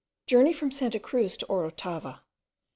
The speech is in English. JOURNEY FROM SANTA CRUZ TO OROTAVA.